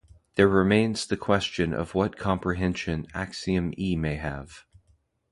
There remains the question of what comprehension axiom E may have.